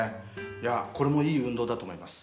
いやこれもいい運動だと思います。